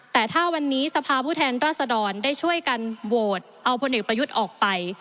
แต่ถ้าวันนี้สภาพผู้แทนราษดรได้ช่วยกันโหวตเอาพลเอกประยุทธ์ออกไป